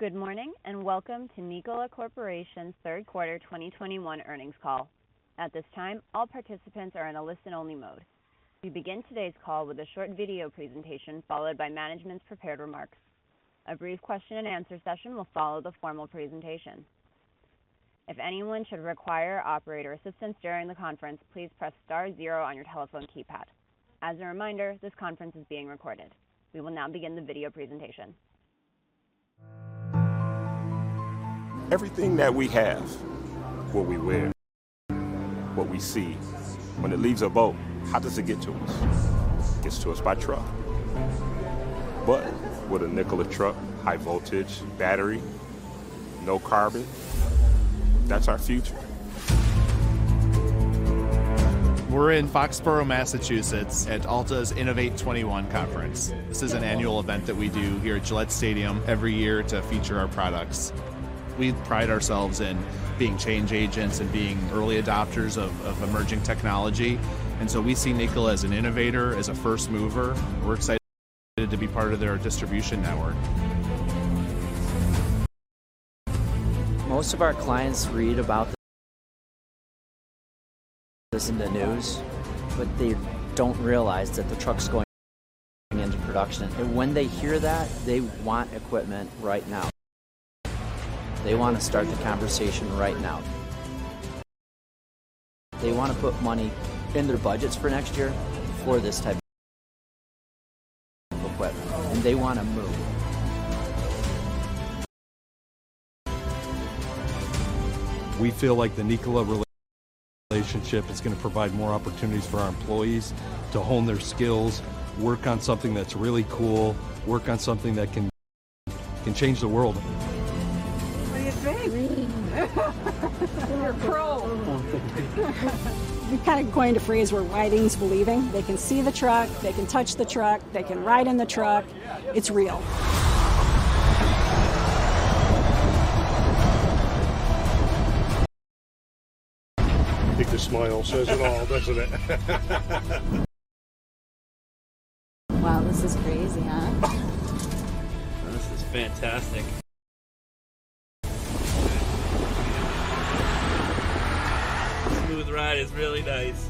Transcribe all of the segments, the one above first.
Good morning, and welcome to Nikola Corporation's third quarter 2021 earnings call. At this time, all participants are in a listen only mode. We begin today's call with a short video presentation, followed by management's prepared remarks. A brief question and answer session will follow the formal presentation. If anyone should require operator assistance during the conference, please press star zero on your telephone keypad. As a reminder, this conference is being recorded. We will now begin the video presentation. Everything that we have, what we wear, what we see, when it leaves a boat, how does it get to us? It gets to us by truck. With a Nikola truck, high voltage battery, no carbon, that's our future. We're in Foxborough, Massachusetts, at Alta's Innovate 21 conference. This is an annual event that we do here at Gillette Stadium every year to feature our products. We pride ourselves in being change agents and being early adopters of emerging technology. We see Nikola as an innovator, as a first mover. We're excited to be part of their distribution network. Most of our clients read about this in the news, but they don't realize that the truck's going into production. When they hear that, they want equipment right now. They wanna start the conversation right now. They wanna put money in their budgets for next year for this type of equipment, and they wanna move. We feel like the Nikola relationship is gonna provide more opportunities for our employees to hone their skills, work on something that's really cool, work on something that can change the world. What do you think? Clean. You're a pro. Oh, thank you. We're kind of coining a phrase, seeing is believing. They can see the truck, they can touch the truck, they can ride in the truck. It's real. I think the smile says it all, doesn't it? Wow, this is crazy, huh? This is fantastic. Smooth ride. It's really nice.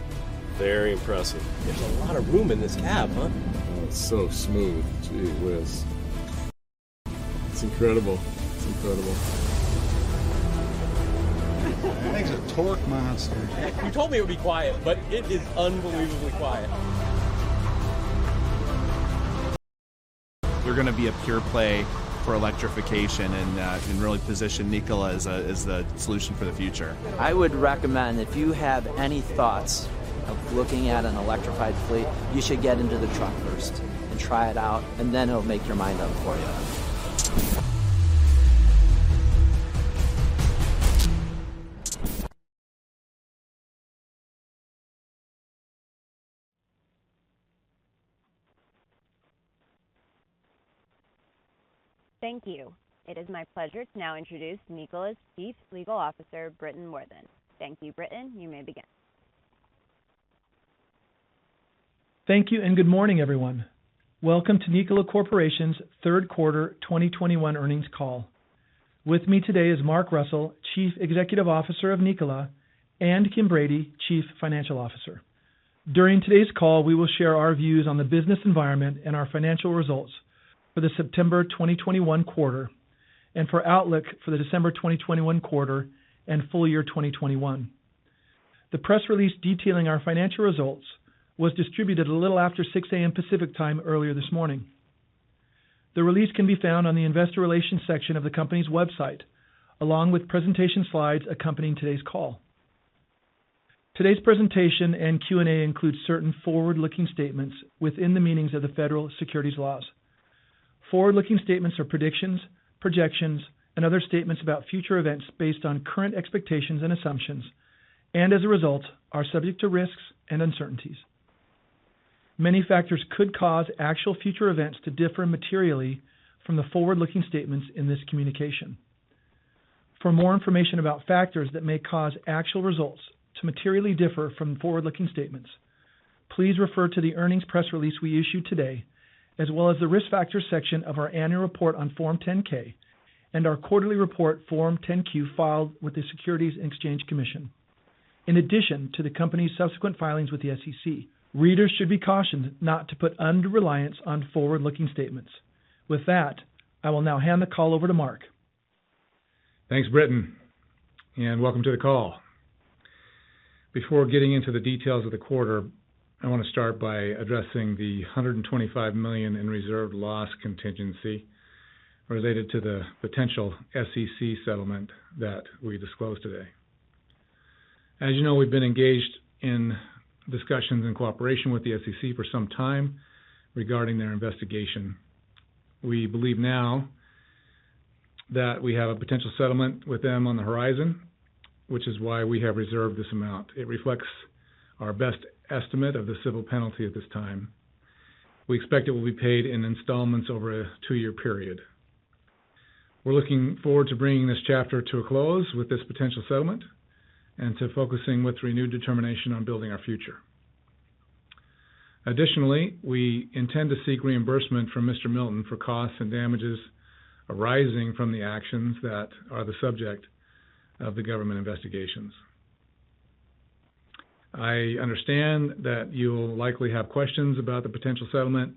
Very impressive. There's a lot of room in this cab, huh? Oh, it's so smooth. Gee whiz. It's incredible. Thing's a torque monster. You told me it would be quiet, but it is unbelievably quiet. We're gonna be a pure play for electrification and really position Nikola as the solution for the future. I would recommend if you have any thoughts of looking at an electrified fleet, you should get into the truck first and try it out, and then it'll make your mind up for you. Thank you. It is my pleasure to now introduce Nikola's Chief Legal Officer, Britton Worthen. Thank you, Britton. You may begin. Thank you, and good morning, everyone. Welcome to Nikola Corporation's third quarter 2021 earnings call. With me today is Mark Russell, Chief Executive Officer of Nikola, and Kim Brady, Chief Financial Officer. During today's call, we will share our views on the business environment and our financial results for the September 2021 quarter and for outlook for the December 2021 quarter and full year 2021. The press release detailing our financial results was distributed a little after 6 A.M. Pacific Time earlier this morning. The release can be found on the investor relations section of the company's website, along with presentation slides accompanying today's call. Today's presentation and Q&A includes certain forward-looking statements within the meanings of the federal securities laws. Forward-looking statements are predictions, projections, and other statements about future events based on current expectations and assumptions, and as a result, are subject to risks and uncertainties. Many factors could cause actual future events to differ materially from the forward-looking statements in this communication. For more information about factors that may cause actual results to materially differ from the forward-looking statements, please refer to the earnings press release we issued today, as well as the Risk Factors section of our annual report on Form 10-K and our quarterly report, Form 10-Q, filed with the Securities and Exchange Commission, in addition to the company's subsequent filings with the SEC. Readers should be cautioned not to put undue reliance on forward-looking statements. With that, I will now hand the call over to Mark. Thanks, Britton, and welcome to the call. Before getting into the details of the quarter, I wanna start by addressing the $125 million in reserve loss contingency related to the potential SEC settlement that we disclosed today. As you know, we've been engaged in discussions in cooperation with the SEC for some time regarding their investigation. We believe now that we have a potential settlement with them on the horizon, which is why we have reserved this amount. It reflects our best estimate of the civil penalty at this time. We expect it will be paid in installments over a two-year period. We're looking forward to bringing this chapter to a close with this potential settlement and to focusing with renewed determination on building our future. Additionally, we intend to seek reimbursement from Mr. Milton for costs and damages arising from the actions that are the subject of the government investigations. I understand that you'll likely have questions about the potential settlement,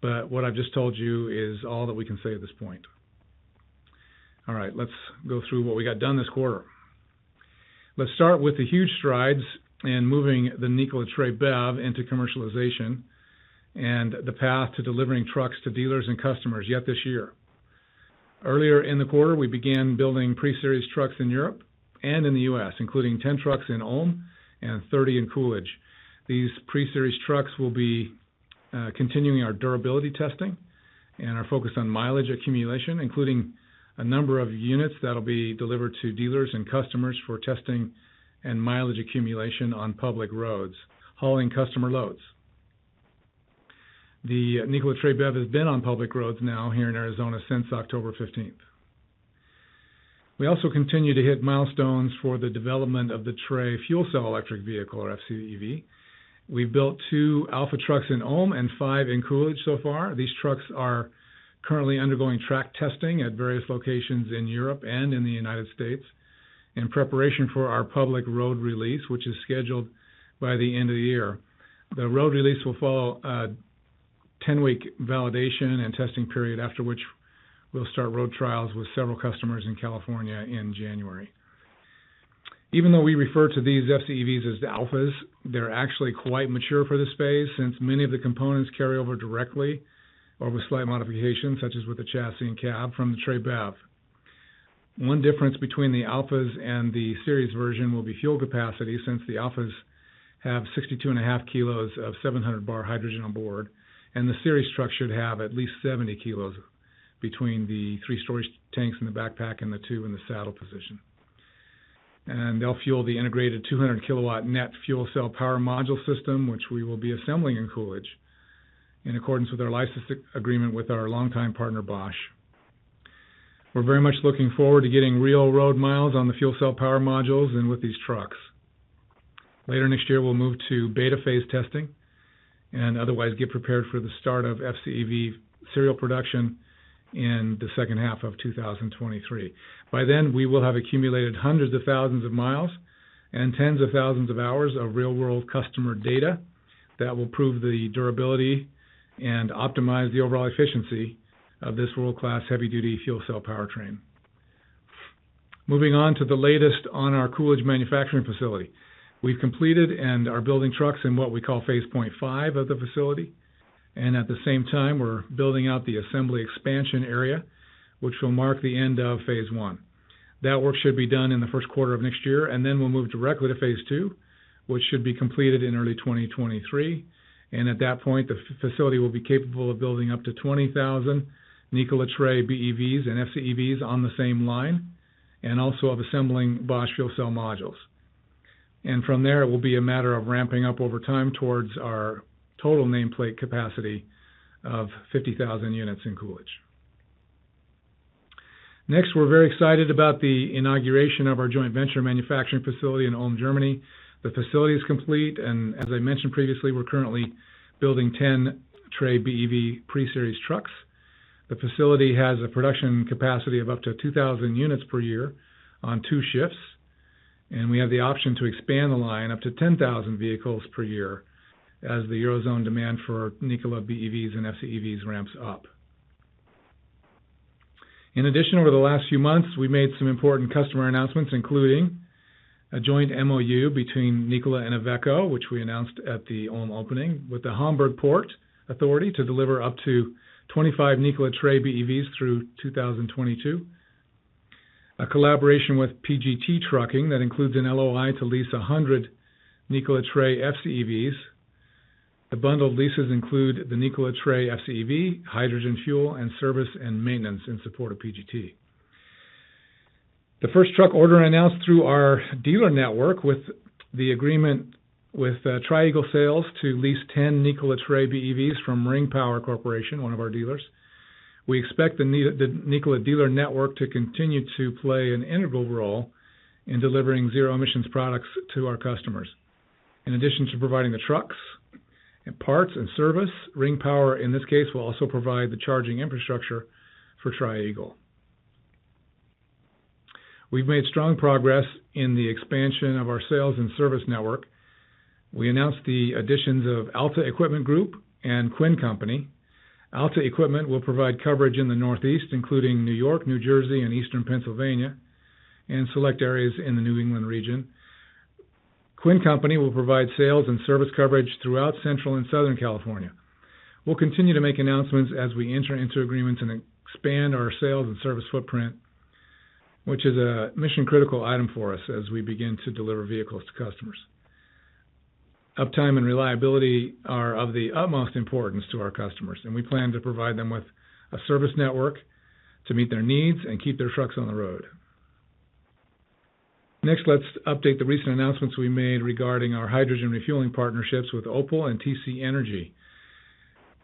but what I've just told you is all that we can say at this point. All right, let's go through what we got done this quarter. Let's start with the huge strides in moving the Nikola Tre BEV into commercialization and the path to delivering trucks to dealers and customers yet this year. Earlier in the quarter, we began building pre-series trucks in Europe and in the U.S., including 10 trucks in Ulm and 30 in Coolidge. These pre-series trucks will be continuing our durability testing and are focused on mileage accumulation, including a number of units that'll be delivered to dealers and customers for testing and mileage accumulation on public roads, hauling customer loads. The Nikola Tre BEV has been on public roads now here in Arizona since October 15. We also continue to hit milestones for the development of the Tre fuel cell electric vehicle, or FCEV. We built two alpha trucks in Ulm and five in Coolidge so far. These trucks are currently undergoing track testing at various locations in Europe and in the United States in preparation for our public road release, which is scheduled by the end of the year. The road release will follow a 10-week validation and testing period, after which we'll start road trials with several customers in California in January. Even though we refer to these FCEVs as the alphas, they're actually quite mature for the space since many of the components carry over directly or with slight modifications, such as with the chassis and cab from the Tre BEV. One difference between the alphas and the series version will be fuel capacity, since the alphas have 62.5 kg of 700 bar hydrogen on board, and the series truck should have at least 70 kg between the three storage tanks in the backpack and the two in the saddle position. They'll fuel the integrated 200 kW net fuel cell power module system, which we will be assembling in Coolidge in accordance with our license agreement with our longtime partner, Bosch. We're very much looking forward to getting real road miles on the fuel cell power modules and with these trucks. Later next year, we'll move to beta phase testing and otherwise get prepared for the start of FCEV serial production in the second half of 2023. By then, we will have accumulated hundreds of thousands of miles and tens of thousands of hours of real-world customer data that will prove the durability and optimize the overall efficiency of this world-class heavy-duty fuel cell powertrain. Moving on to the latest on our Coolidge manufacturing facility. We've completed and are building trucks in what we call phase 0.5 of the facility, and at the same time, we're building out the assembly expansion area, which will mark the end of phase I. That work should be done in the first quarter of next year, and then we'll move directly to phase II, which should be completed in early 2023. At that point, the facility will be capable of building up to 20,000 Nikola Tre BEVs and FCEVs on the same line and also of assembling Bosch fuel cell modules. From there, it will be a matter of ramping up over time towards our total nameplate capacity of 50,000 units in Coolidge. Next, we're very excited about the inauguration of our joint venture manufacturing facility in Ulm, Germany. The facility is complete, and as I mentioned previously, we're currently building 10 Tre BEV pre-series trucks. The facility has a production capacity of up to 2,000 units per year on two shifts, and we have the option to expand the line up to 10,000 vehicles per year as the Eurozone demand for Nikola BEVs and FCEVs ramps up. In addition, over the last few months, we made some important customer announcements, including a joint MoU between Nikola and IVECO, which we announced at the Ulm opening, with the Hamburg Port Authority to deliver up to 25 Nikola Tre BEVs through 2022. A collaboration with PGT Trucking that includes an LOI to lease 100 Nikola Tre FCEVs. The bundled leases include the Nikola Tre FCEV, hydrogen fuel, and service and maintenance in support of PGT. The first truck order announced through our dealer network with the agreement with Tri-Eagle Sales to lease 10 Nikola Tre BEVs from Ring Power Corporation, one of our dealers. We expect the Nikola dealer network to continue to play an integral role in delivering zero-emission products to our customers. In addition to providing the trucks and parts and service, Ring Power, in this case, will also provide the charging infrastructure for Tri-Eagle. We've made strong progress in the expansion of our sales and service network. We announced the additions of Alta Equipment Group and Quinn Company. Alta Equipment will provide coverage in the Northeast, including New York, New Jersey, and Eastern Pennsylvania, and select areas in the New England region. Quinn Company will provide sales and service coverage throughout central and southern California. We'll continue to make announcements as we enter into agreements and expand our sales and service footprint, which is a mission-critical item for us as we begin to deliver vehicles to customers. Uptime and reliability are of the utmost importance to our customers, and we plan to provide them with a service network to meet their needs and keep their trucks on the road. Next, let's update the recent announcements we made regarding our hydrogen refueling partnerships with OPAL and TC Energy.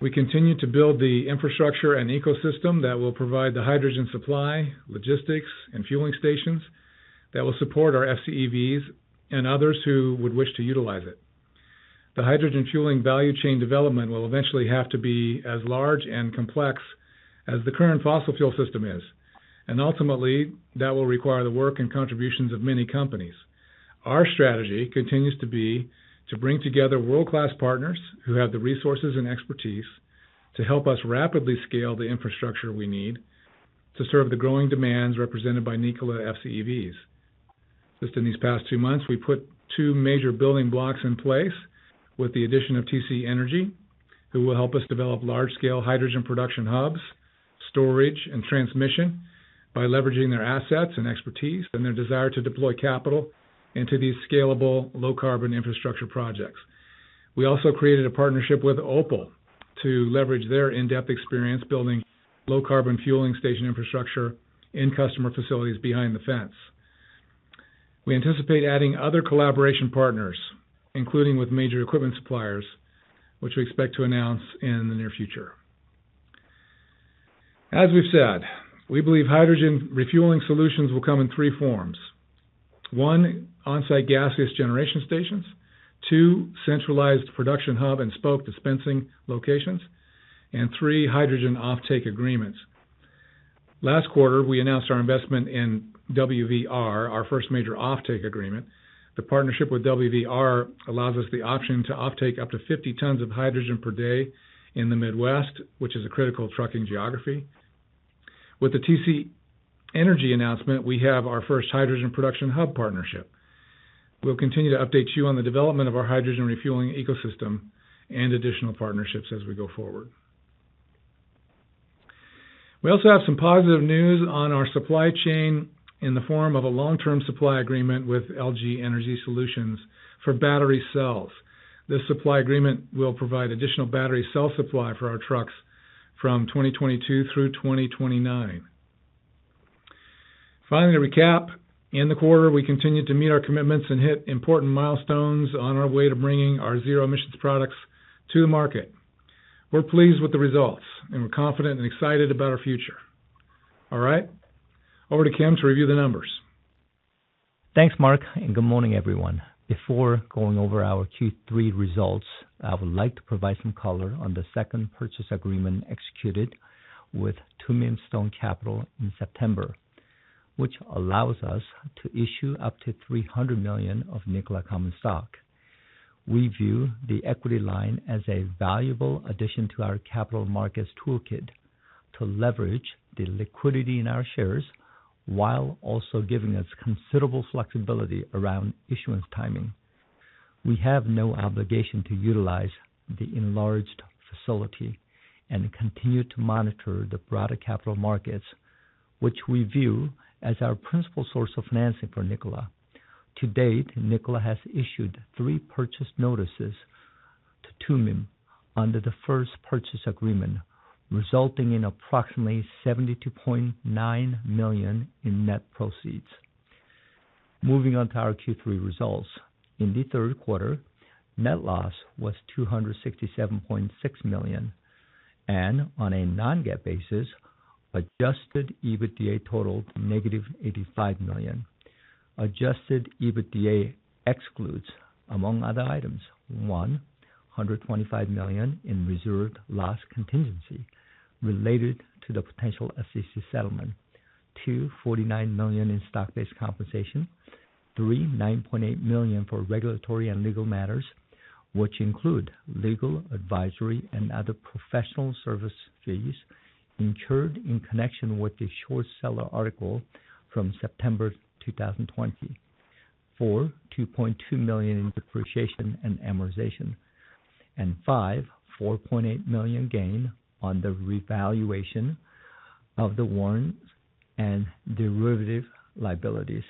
We continue to build the infrastructure and ecosystem that will provide the hydrogen supply, logistics, and fueling stations that will support our FCEVs and others who would wish to utilize it. The hydrogen fueling value chain development will eventually have to be as large and complex as the current fossil fuel system is, and ultimately, that will require the work and contributions of many companies. Our strategy continues to be to bring together world-class partners who have the resources and expertise to help us rapidly scale the infrastructure we need to serve the growing demands represented by Nikola FCEVs. Just in these past two months, we put two major building blocks in place with the addition of TC Energy, who will help us develop large-scale hydrogen production hubs, storage, and transmission by leveraging their assets and expertise and their desire to deploy capital into these scalable, low-carbon infrastructure projects. We also created a partnership with OPAL to leverage their in-depth experience building low-carbon fueling station infrastructure in customer facilities behind the fence. We anticipate adding other collaboration partners, including with major equipment suppliers, which we expect to announce in the near future. As we've said, we believe hydrogen refueling solutions will come in three forms. One, on-site gaseous generation stations. Two, centralized production hub and spoke dispensing locations. And three, hydrogen offtake agreements. Last quarter, we announced our investment in WVR, our first major offtake agreement. The partnership with WVR allows us the option to offtake up to 50 tons of hydrogen per day in the Midwest, which is a critical trucking geography. With the TC Energy announcement, we have our first hydrogen production hub partnership. We'll continue to update you on the development of our hydrogen refueling ecosystem and additional partnerships as we go forward. We also have some positive news on our supply chain in the form of a long-term supply agreement with LG Energy Solution for battery cells. This supply agreement will provide additional battery cell supply for our trucks from 2022 through 2029. Finally, to recap, in the quarter, we continued to meet our commitments and hit important milestones on our way to bringing our zero-emissions products to the market. We're pleased with the results, and we're confident and excited about our future. All right, over to Kim to review the numbers. Thanks, Mark, and good morning, everyone. Before going over our Q3 results, I would like to provide some color on the second purchase agreement executed with Tumim Stone Capital in September, which allows us to issue up to $300 million of Nikola common stock. We view the equity line as a valuable addition to our capital markets toolkit to leverage the liquidity in our shares while also giving us considerable flexibility around issuance timing. We have no obligation to utilize the enlarged facility and continue to monitor the broader capital markets, which we view as our principal source of financing for Nikola. To date, Nikola has issued three purchase notices to Tumim under the first purchase agreement, resulting in approximately $72.9 million in net proceeds. Moving on to our Q3 results. In the third quarter, net loss was $267.6 million and on a non-GAAP basis, adjusted EBITDA totaled -$85 million. Adjusted EBITDA excludes, among other items, 1, $125 million in reserved loss contingency related to the potential SEC settlement. 2, $49 million in stock-based compensation. 3, $9.8 million for regulatory and legal matters, which include legal, advisory, and other professional service fees incurred in connection with the short seller article from September 2020. 4, $2.2 million in depreciation and amortization. 5, $4.8 million gain on the revaluation of the warrants and derivative liabilities.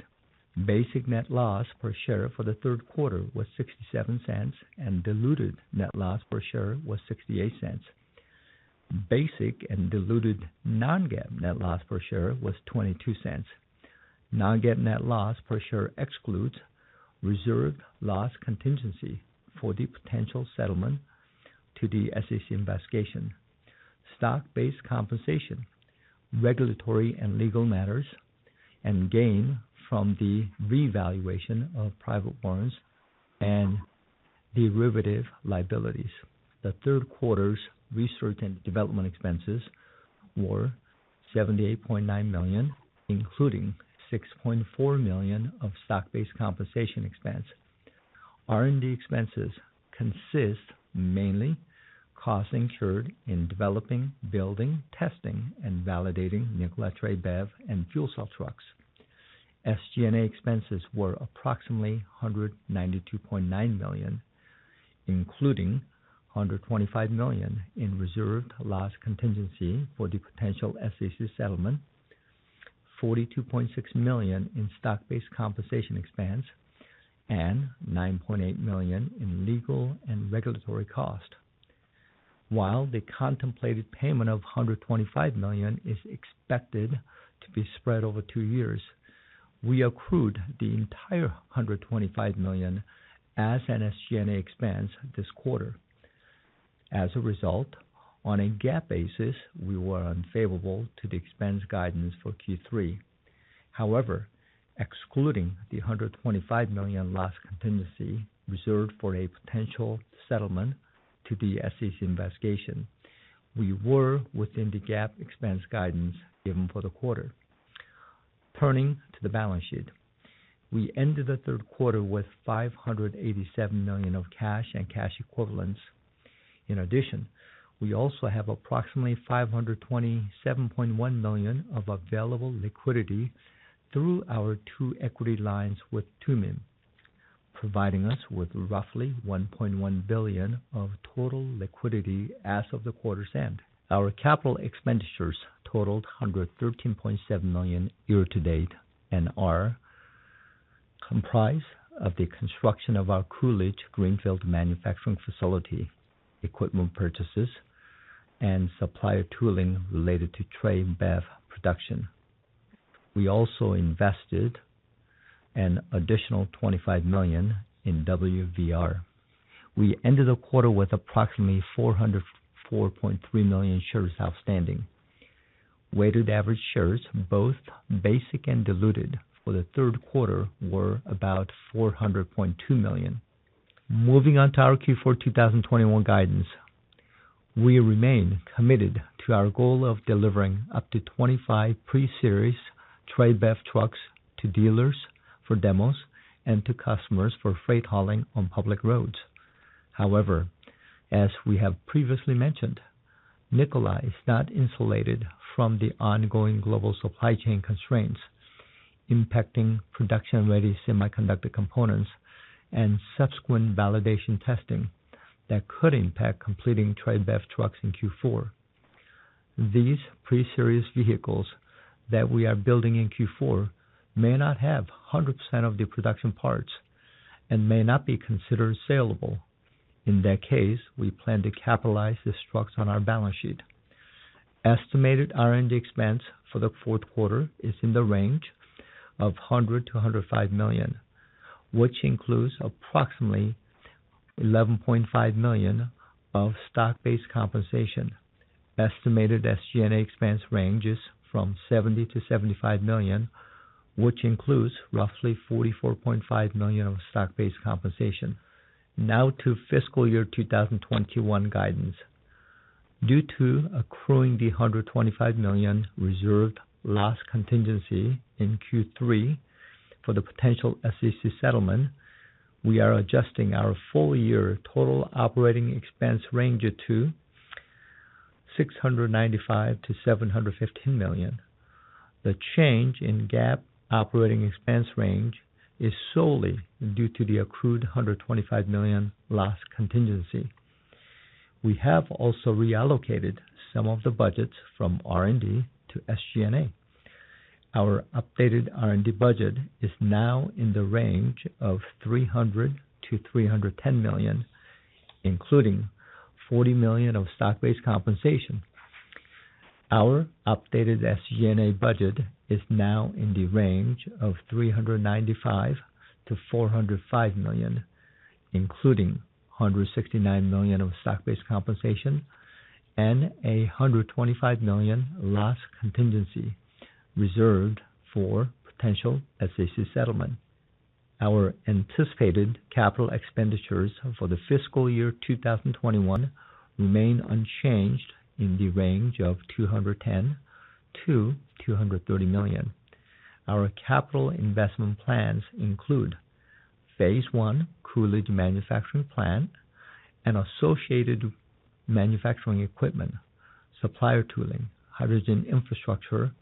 Basic net loss per share for the third quarter was $0.67, and diluted net loss per share was $0.68. Basic and diluted non-GAAP net loss per share was $0.22. Non-GAAP net loss per share excludes reserve loss contingency for the potential settlement to the SEC investigation, stock-based compensation, regulatory and legal matters, and gain from the revaluation of private warrants and derivative liabilities. The third quarter's research and development expenses were $78.9 million, including $6.4 million of stock-based compensation expense. R&D expenses consist mainly costs incurred in developing, building, testing, and validating Nikola Tre BEV and fuel cell trucks. SG&A expenses were approximately $192.9 million, including $125 million in reserved loss contingency for the potential SEC settlement, $42.6 million in stock-based compensation expense, and $9.8 million in legal and regulatory cost. While the contemplated payment of $125 million is expected to be spread over two years, we accrued the entire $125 million as an SG&A expense this quarter. As a result, on a GAAP basis, we were unfavorable to the expense guidance for Q3. However, excluding the $125 million loss contingency reserved for a potential settlement to the SEC investigation, we were within the GAAP expense guidance given for the quarter. Turning to the balance sheet. We ended the third quarter with $587 million of cash and cash equivalents. In addition, we also have approximately $527.1 million of available liquidity through our two equity lines with Tumim, providing us with roughly $1.1 billion of total liquidity as of the quarter's end. Our capital expenditures totaled $113.7 million year to date and are comprised of the construction of our Coolidge Greenfield manufacturing facility, equipment purchases, and supplier tooling related to Tre BEV production. We also invested an additional $25 million in WVR. We ended the quarter with approximately 404.3 million shares outstanding. Weighted average shares, both basic and diluted for the third quarter, were about 400.2 million. Moving on to our Q4 2021 guidance. We remain committed to our goal of delivering up to 25 pre-series Tre BEV trucks to dealers for demos and to customers for freight hauling on public roads. However, as we have previously mentioned, Nikola is not insulated from the ongoing global supply chain constraints impacting production-ready semiconductor components and subsequent validation testing that could impact completing Tre BEV trucks in Q4. These pre-series vehicles that we are building in Q4 may not have 100% of the production parts and may not be considered saleable. In that case, we plan to capitalize these trucks on our balance sheet. Estimated R&D expense for the fourth quarter is in the range of $100 million-$105 million, which includes approximately $11.5 million of stock-based compensation. Estimated SG&A expense ranges from $70 million-$75 million, which includes roughly $44.5 million of stock-based compensation. Now to fiscal year 2021 guidance. Due to accruing the $125 million reserved loss contingency in Q3 for the potential SEC settlement, we are adjusting our full year total operating expense range to $695 million-$715 million. The change in GAAP operating expense range is solely due to the accrued $125 million loss contingency. We have also reallocated some of the budgets from R&D to SG&A. Our updated R&D budget is now in the range of $300 million-$310 million, including $40 million of stock-based compensation. Our updated SG&A budget is now in the range of $395 million-$405 million, including $169 million of stock-based compensation and $125 million loss contingency reserved for potential SEC settlement. Our anticipated capital expenditures for the fiscal year 2021 remain unchanged in the range of $210 million-$230 million. Our capital investment plans include phase I Coolidge manufacturing plant and associated manufacturing equipment, supplier tooling, hydrogen infrastructure,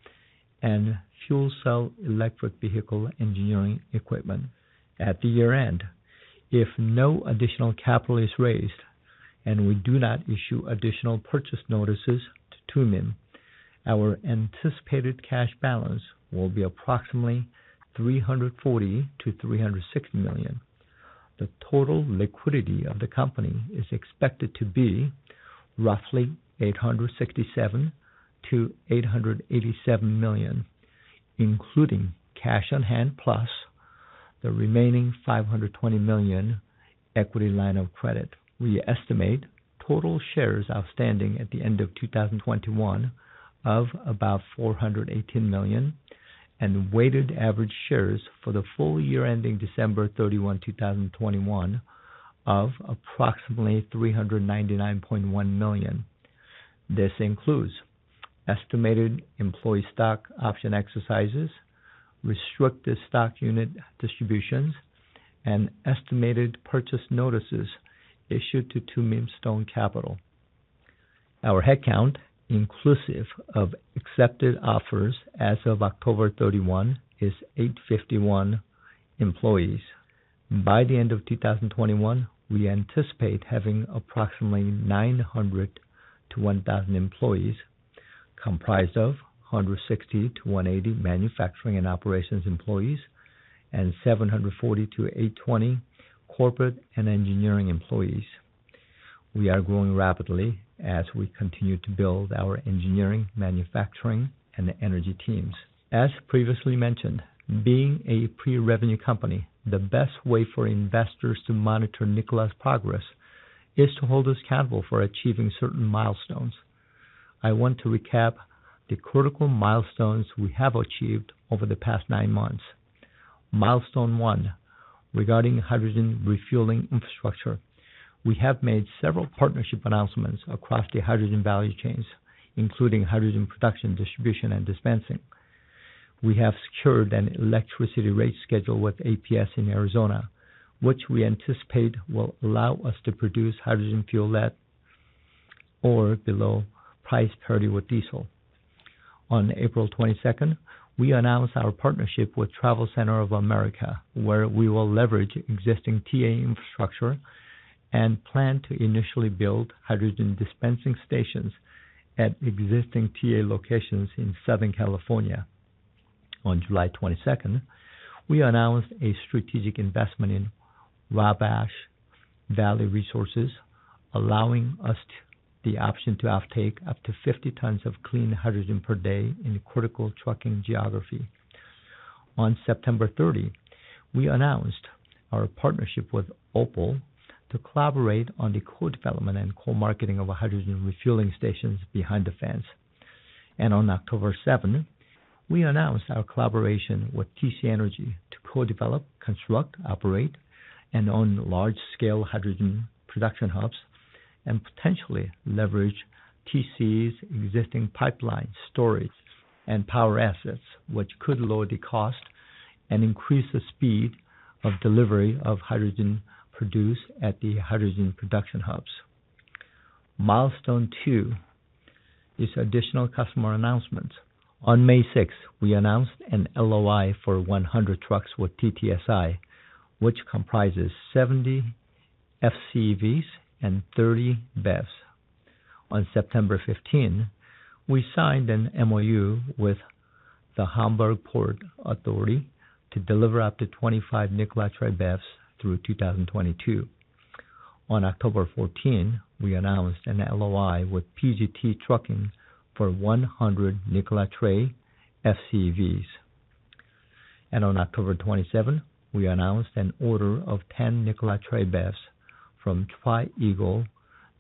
and fuel cell electric vehicle engineering equipment. At the year-end, if no additional capital is raised and we do not issue additional purchase notices to Tumim, our anticipated cash balance will be approximately $340 million-$360 million. The total liquidity of the company is expected to be roughly $867 million-$887 million, including cash on hand plus the remaining $520 million equity line of credit. We estimate total shares outstanding at the end of 2021 of about 418 million and weighted average shares for the full year ending December 31, 2021 of approximately 399.1 million. This includes estimated employee stock option exercises, restricted stock unit distributions, and estimated purchase notices issued to Tumim Stone Capital. Our headcount, inclusive of accepted offers as of October 31, is 851 employees. By the end of 2021, we anticipate having approximately 900-1,000 employees, comprised of 160-180 manufacturing and operations employees and 740-820 corporate and engineering employees. We are growing rapidly as we continue to build our engineering, manufacturing, and the energy teams. As previously mentioned, being a pre-revenue company, the best way for investors to monitor Nikola's progress is to hold us accountable for achieving certain milestones. I want to recap the critical milestones we have achieved over the past nine months. Milestone one, regarding hydrogen refueling infrastructure. We have made several partnership announcements across the hydrogen value chains, including hydrogen production, distribution, and dispensing. We have secured an electricity rate schedule with APS in Arizona, which we anticipate will allow us to produce hydrogen fuel at or below price parity with diesel. On April 22, we announced our partnership with TravelCenters of America, where we will leverage existing TA infrastructure and plan to initially build hydrogen dispensing stations at existing TA locations in Southern California. On July 22, we announced a strategic investment in Wabash Valley Resources, allowing us the option to offtake up to 50 tons of clean hydrogen per day in critical trucking geography. On September 30, we announced our partnership with OPAL Fuels to collaborate on the co-development and co-marketing of hydrogen refueling stations behind the fence. On October 7, we announced our collaboration with TC Energy to co-develop, construct, operate, and own large-scale hydrogen production hubs and potentially leverage TC's existing pipelines, storage, and power assets, which could lower the cost and increase the speed of delivery of hydrogen produced at the hydrogen production hubs. Milestone two is additional customer announcements. On May 6, we announced an LOI for 100 trucks with TTSI, which comprises 70 FCEVs and 30 BEVs. On September 15, we signed an MoU with the Hamburg Port Authority to deliver up to 25 Nikola Tre BEVs through 2022. On October 14, we announced an LOI with PGT Trucking for 100 Nikola Tre FCEVs. On October 27, we announced an order of 10 Nikola Tre BEVs from Tri-Eagle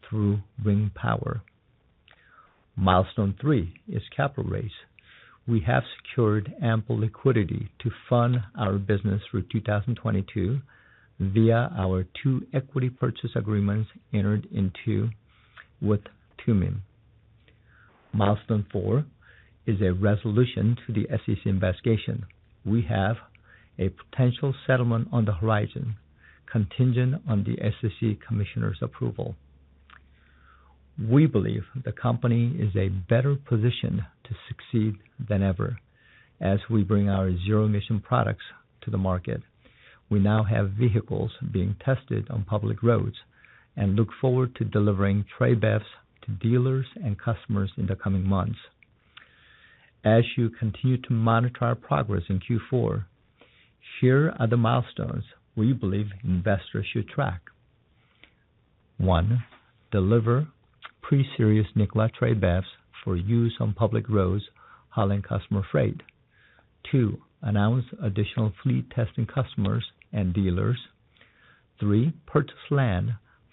through Ring Power. Milestone three is capital raise. We have secured ample liquidity to fund our business through 2022 via our two equity purchase agreements entered into with Tumim. Milestone four is a resolution to the SEC investigation. We have a potential settlement on the horizon contingent on the SEC commissioner's approval. We believe the company is in a better position to succeed than ever as we bring our zero-emission products to the market. We now have vehicles being tested on public roads and look forward to delivering Tre BEVs to dealers and customers in the coming months. As you continue to monitor our progress in Q4, here are the milestones we believe investors should track. One, deliver pre-series Nikola Tre BEVs for use on public roads hauling customer freight. Two, announce additional fleet testing customers and dealers. Three, purchase land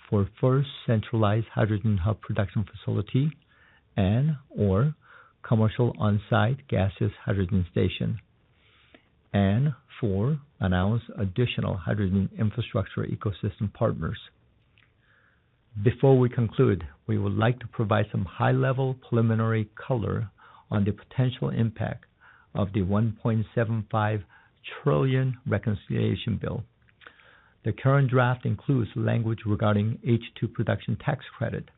for first centralized hydrogen hub production facility and/or commercial on-site gaseous hydrogen station. Four, announce additional hydrogen infrastructure ecosystem partners. Before we conclude, we would like to provide some high-level preliminary color on the potential impact of the $1.75 trillion reconciliation bill. The current draft includes language regarding H2 production tax credit.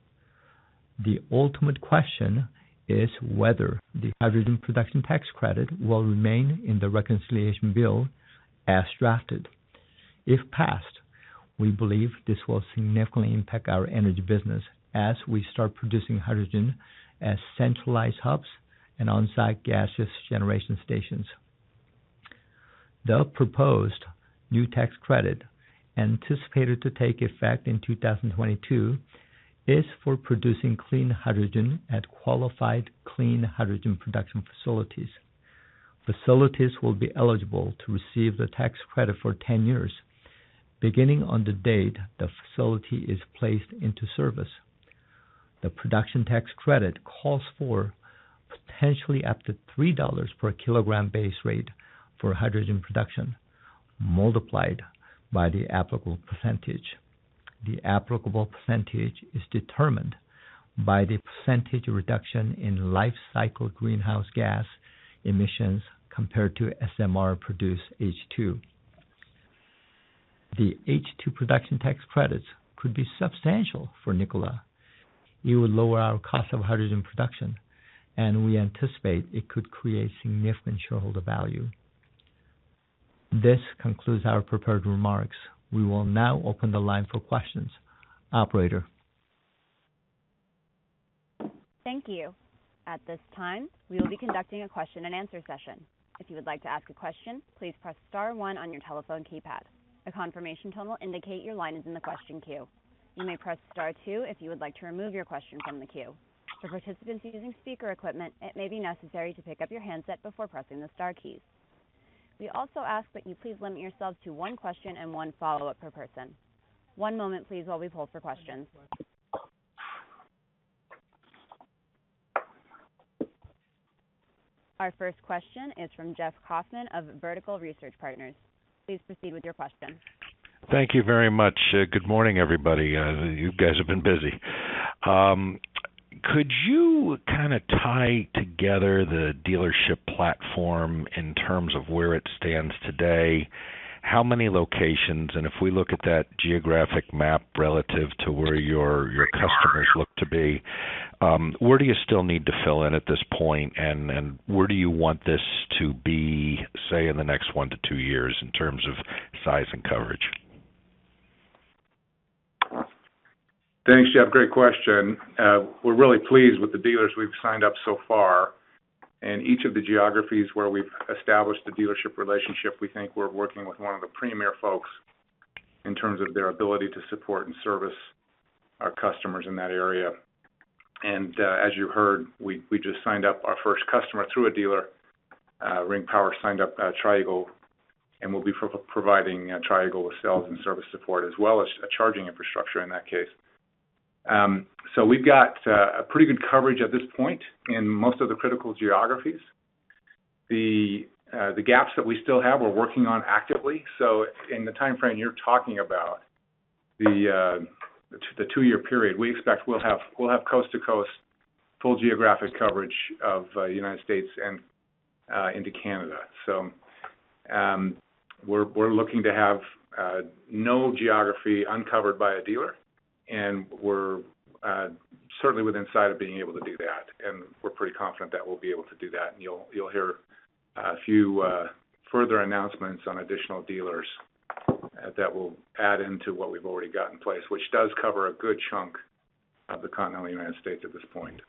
The ultimate question is whether the hydrogen production tax credit will remain in the reconciliation bill as drafted. If passed, we believe this will significantly impact our energy business as we start producing hydrogen at centralized hubs and on-site gaseous generation stations. The proposed new tax credit, anticipated to take effect in 2022, is for producing clean hydrogen at qualified clean hydrogen production facilities. Facilities will be eligible to receive the tax credit for 10 years beginning on the date the facility is placed into service. The production tax credit calls for potentially up to $3/kg base rate for hydrogen production multiplied by the applicable percentage. The applicable percentage is determined by the percentage reduction in life cycle greenhouse gas emissions compared to SMR-produced H2. The H2 production tax credits could be substantial for Nikola. It would lower our cost of hydrogen production, and we anticipate it could create significant shareholder value. This concludes our prepared remarks. We will now open the line for questions. Operator? Thank you. At this time, we will be conducting a question-and-answer session. If you would like to ask a question, please press star one on your telephone keypad. A confirmation tone will indicate your line is in the question queue. You may press star two if you would like to remove your question from the queue. For participants using speaker equipment, it may be necessary to pick up your handset before pressing the star keys. We also ask that you please limit yourselves to one question and one follow-up per person. One moment, please, while we poll for questions. Our first question is from Jeff Kauffman of Vertical Research Partners. Please proceed with your question. Thank you very much. Good morning, everybody. You guys have been busy. Could you kinda tie together the dealership platform in terms of where it stands today, how many locations, and if we look at that geographic map relative to where your customers look to be, where do you still need to fill in at this point, and where do you want this to be, say, in the next 1-2 years in terms of size and coverage? Thanks, Jeff. Great question. We're really pleased with the dealers we've signed up so far. In each of the geographies where we've established the dealership relationship, we think we're working with one of the premier folks in terms of their ability to support and service our customers in that area. As you heard, we just signed up our first customer through a dealer. Ring Power signed up Tri-Eagle, and we'll be providing Tri-Eagle with sales and service support, as well as a charging infrastructure in that case. We've got a pretty good coverage at this point in most of the critical geographies. The gaps that we still have, we're working on actively. In the timeframe you're talking about, the two-year period, we expect we'll have coast-to-coast full geographic coverage of United States and into Canada. We're looking to have no geography uncovered by a dealer, and we're certainly within sight of being able to do that, and we're pretty confident that we'll be able to do that. You'll hear a few further announcements on additional dealers that will add into what we've already got in place, which does cover a good chunk of the continental United States at this point.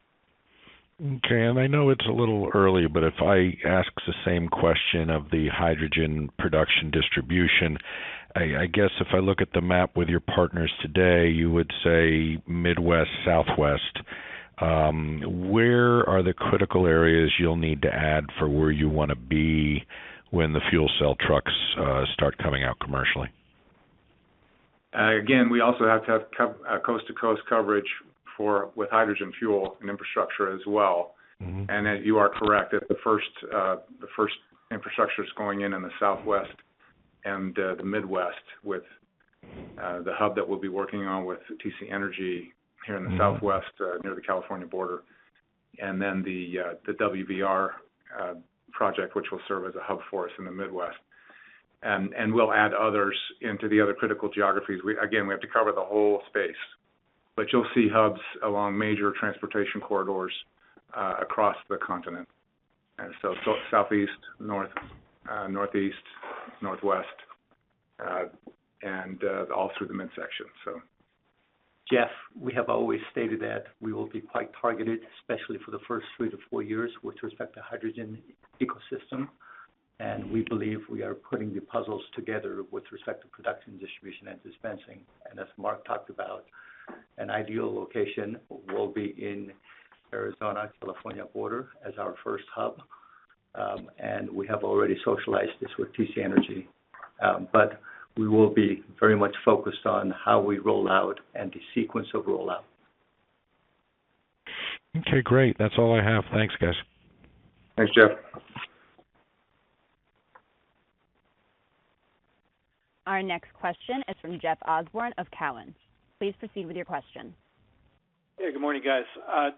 Okay. I know it's a little early, but if I ask the same question of the hydrogen production distribution, I guess if I look at the map with your partners today, you would say Midwest, Southwest. Where are the critical areas you'll need to add for where you wanna be when the fuel cell trucks start coming out commercially? Again, we also have to have coast-to-coast coverage with hydrogen fuel and infrastructure as well. And you are correct, the first infrastructure is going in the Southwest and the Midwest with the hub that we'll be working on with TC Energy here in the Southwest, near the California border, and then the WVR project, which will serve as a hub for us in the Midwest. We'll add others into the other critical geographies. Again, we have to cover the whole space, but you'll see hubs along major transportation corridors across the continent. Southeast, North, Northeast, Northwest, and all through the midsection, so. Jeff, we have always stated that we will be quite targeted, especially for the first 3-4 years with respect to hydrogen ecosystem, and we believe we are putting the pieces together with respect to production, distribution, and dispensing. As Mark talked about, an ideal location will be in Arizona-California border as our first hub, and we have already socialized this with TC Energy, but we will be very much focused on how we roll out and the sequence of rollout. Okay, great. That's all I have. Thanks, guys. Thanks, Jeff. Our next question is from Jeff Osborne of Cowen. Please proceed with your question. Yeah, good morning, guys.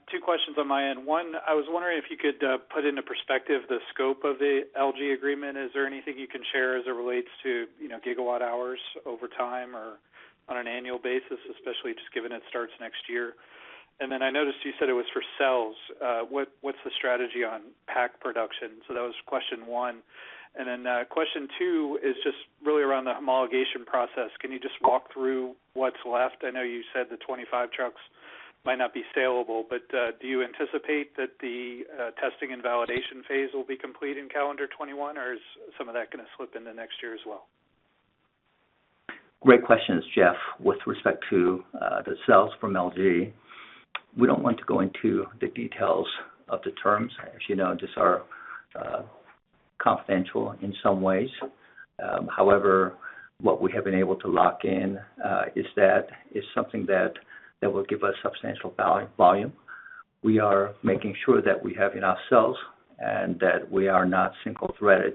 Two questions on my end. One, I was wondering if you could put into perspective the scope of the LG agreement. Is there anything you can share as it relates to, you know, gigawatt-hours over time or on an annual basis, especially just given it starts next year? And then I noticed you said it was for cells. What's the strategy on pack production? So that was question one. And then question two is just really around the homologation process. Can you just walk through what's left? I know you said the 25 trucks might not be salable, but do you anticipate that the testing and validation phase will be complete in calendar 2021, or is some of that gonna slip into next year as well? Great questions, Jeff. With respect to the cells from LG, we don't want to go into the details of the terms. As you know, these are confidential in some ways. However, what we have been able to lock in is that it's something that will give us substantial volume. We are making sure that we have enough cells and that we are not single-threaded.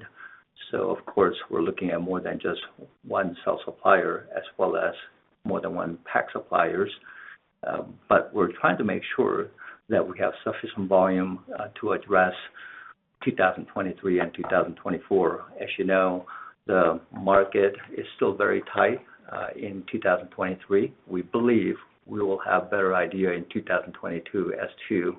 So of course, we're looking at more than just one cell supplier as well as more than one pack suppliers. But we're trying to make sure that we have sufficient volume to address 2023 and 2024. As you know, the market is still very tight in 2023. We believe we will have better idea in 2022 as to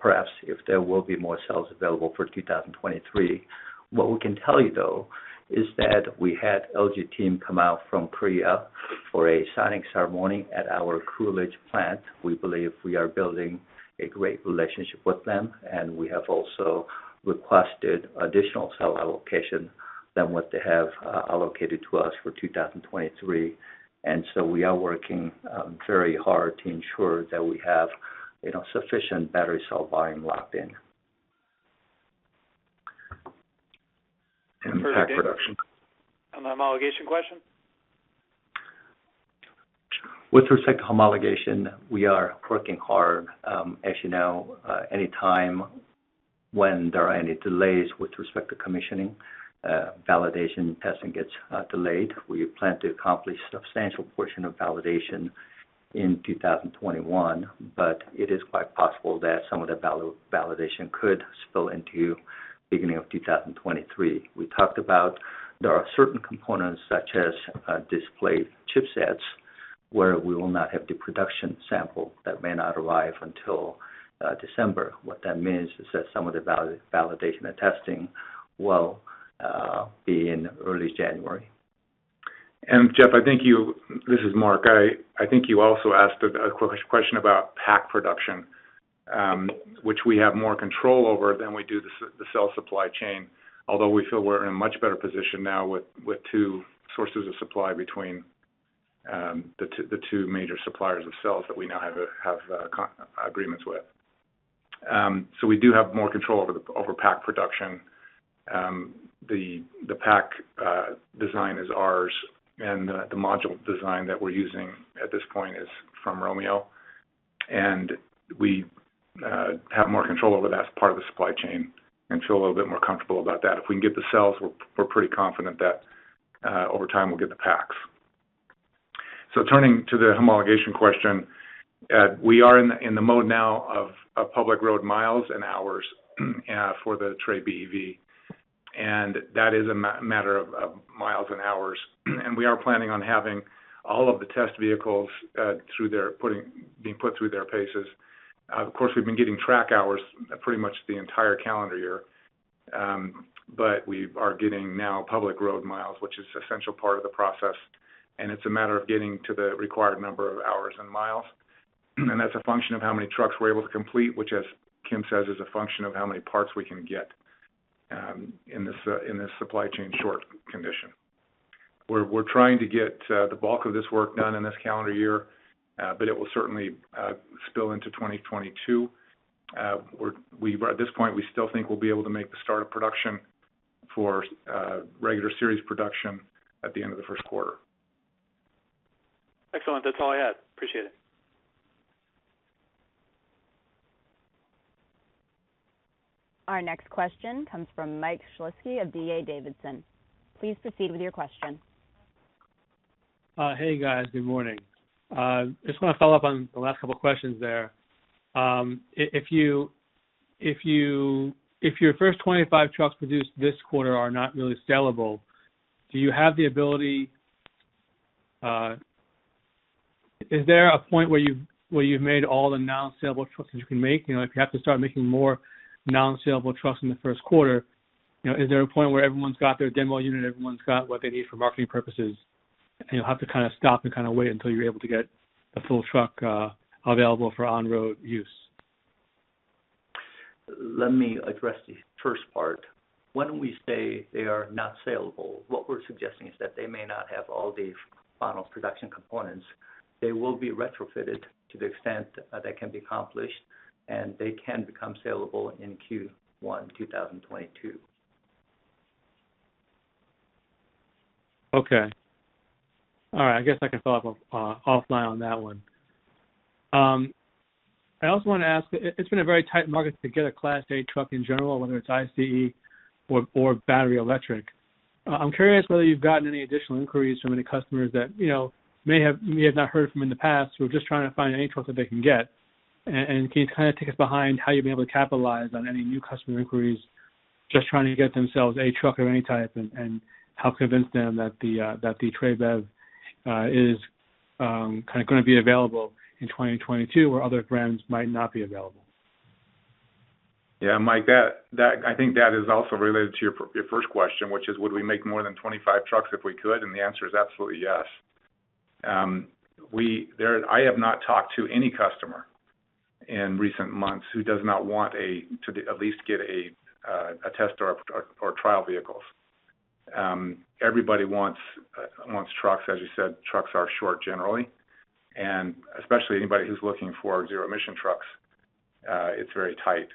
perhaps if there will be more cells available for 2023. What we can tell you, though, is that we had LG team come out from Korea for a signing ceremony at our Coolidge plant. We believe we are building a great relationship with them, and we have also requested additional cell allocation than what they have allocated to us for 2023. We are working very hard to ensure that we have, you know, sufficient battery cell volume locked in. Pack production. The homologation question? With respect to homologation, we are working hard. As you know, any time when there are any delays with respect to commissioning, validation testing gets delayed. We plan to accomplish a substantial portion of validation in 2021, but it is quite possible that some of the validation could spill into beginning of 2023. We talked about there are certain components, such as display chipsets, where we will not have the production sample. That may not arrive until December. What that means is that some of the validation and testing will be in early January. Jeff, this is Mark. I think you also asked a question about pack production, which we have more control over than we do the cell supply chain, although we feel we're in a much better position now with two sources of supply between the two major suppliers of cells that we now have co-agreements with. So we do have more control over pack production. The pack design is ours, and the module design that we're using at this point is from Romeo. We have more control over that part of the supply chain and feel a little bit more comfortable about that. If we can get the cells, we're pretty confident that over time, we'll get the packs. Turning to the homologation question, we are in the mode now of public road miles and hours for the Tre BEV, and that is a matter of miles and hours. We are planning on having all of the test vehicles being put through their paces. Of course, we've been getting track hours pretty much the entire calendar year, but we are getting now public road miles, which is an essential part of the process, and it's a matter of getting to the required number of hours and miles. That's a function of how many trucks we're able to complete, which as Kim says, is a function of how many parts we can get in this supply chain shortage condition. We're trying to get the bulk of this work done in this calendar year, but it will certainly spill into 2022. At this point, we still think we'll be able to make the start of production for regular series production at the end of the first quarter. Excellent. That's all I had. Appreciate it. Our next question comes from Mike Shlisky of D.A. Davidson. Please proceed with your question. Hey, guys. Good morning. Just wanna follow up on the last couple questions there. If your first 25 trucks produced this quarter are not really sellable, do you have the ability? Is there a point where you've made all the non-saleable trucks that you can make? You know, if you have to start making more non-saleable trucks in the first quarter, you know, is there a point where everyone's got their demo unit, everyone's got what they need for marketing purposes, and you'll have to kind of stop and kind of wait until you're able to get a full truck available for on-road use? Let me address the first part. When we say they are not saleable, what we're suggesting is that they may not have all the final production components. They will be retrofitted to the extent that can be accomplished, and they can become saleable in Q1 2022. Okay. All right. I guess I can follow up offline on that one. I also wanna ask, it's been a very tight market to get a Class 8 truck in general, whether it's ICE or battery electric. I'm curious whether you've gotten any additional inquiries from any customers that, you know, may have you have not heard from in the past, who are just trying to find any trucks that they can get. Can you kind of take us behind how you'll be able to capitalize on any new customer inquiries just trying to get themselves a truck of any type and help convince them that the Tre BEV is kinda gonna be available in 2022 where other brands might not be available? Yeah, Mike, I think that is also related to your first question, which is, would we make more than 25 trucks if we could? The answer is absolutely yes. I have not talked to any customer in recent months who does not want to at least get a test or trial vehicles. Everybody wants trucks. As you said, trucks are short generally, and especially anybody who's looking for zero-emission trucks, it's very tight.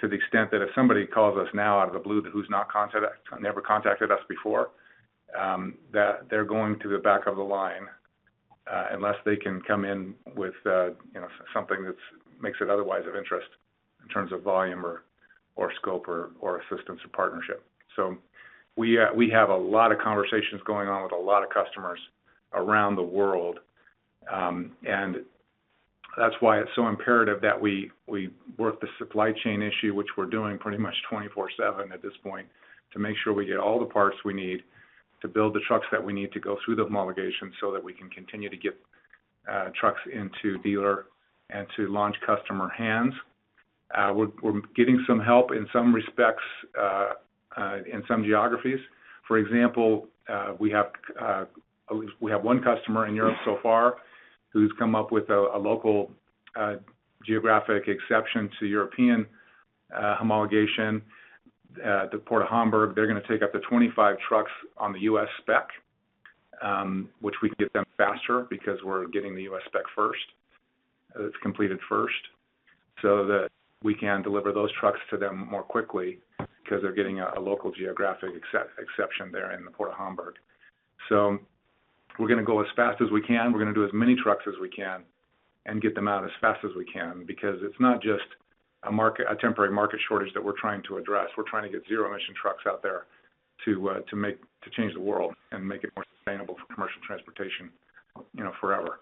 To the extent that if somebody calls us now out of the blue who's never contacted us before, that they're going to the back of the line, unless they can come in with, you know, something that makes it otherwise of interest in terms of volume or scope or assistance or partnership. We have a lot of conversations going on with a lot of customers around the world, and that's why it's so imperative that we work the supply chain issue, which we're doing pretty much 24/7 at this point, to make sure we get all the parts we need to build the trucks that we need to go through the homologation so that we can continue to get trucks into dealer and to launch customer hands. We're getting some help in some respects in some geographies. For example, we have at least one customer in Europe so far who's come up with a local geographic exception to European homologation. The Port of Hamburg, they're gonna take up to 25 trucks on the U.S. spec, which we can get them faster because we're getting the U.S. spec first, it's completed first, so that we can deliver those trucks to them more quickly because they're getting a local geographic exception there in the Port of Hamburg. We're gonna go as fast as we can. We're gonna do as many trucks as we can and get them out as fast as we can because it's not just a temporary market shortage that we're trying to address. We're trying to get zero-emission trucks out there to change the world and make it more sustainable for commercial transportation, you know, forever.